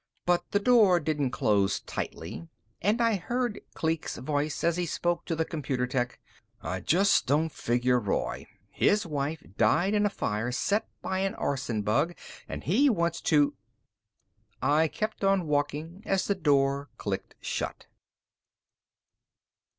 But the door didn't close tightly, and I heard Kleek's voice as he spoke to the computer tech. "I just don't figure Roy. His wife died in a fire set by an arson bug, and he wants to " I kept on walking as the door clicked shut.